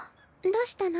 どうしたの？